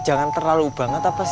jangan lalu banget refused